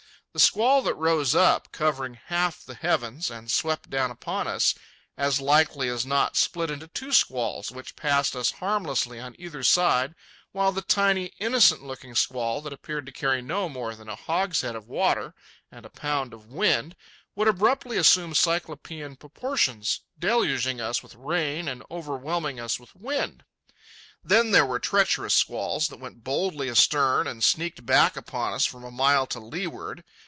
The squall that rose up, covering half the heavens, and swept down upon us, as likely as not split into two squalls which passed us harmlessly on either side while the tiny, innocent looking squall that appeared to carry no more than a hogshead of water and a pound of wind, would abruptly assume cyclopean proportions, deluging us with rain and overwhelming us with wind. Then there were treacherous squalls that went boldly astern and sneaked back upon us from a mile to leeward.